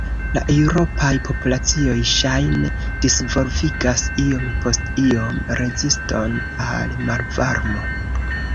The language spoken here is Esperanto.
La eŭropaj populacioj ŝajne disvolvigas iom post iom reziston al malvarmo.